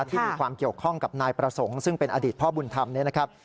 ที่มีความเกี่ยวข้องกับนายประสงค์ซึ่งเป็นอดีตพ่อบุญธรรมเนี่ยนะครับ